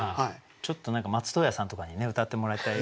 ちょっと何か松任谷さんとかにね歌ってもらいたい。